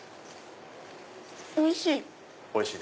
おいしい！